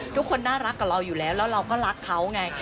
ทุกคนน่ารักกับเราอยู่แล้วแล้วเราก็รักเขาไง